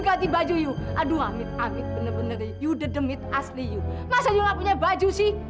ganti baju yuk aduh amit amit bener bener yuk yuk dedemit asli yuk masa yuk gak punya baju sih